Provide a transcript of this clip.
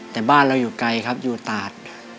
แต่บ้านเราอยู่ไกลครับอยู่ตาด